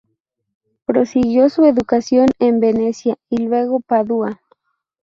Prosiguió su educación en Venecia y luego Padua.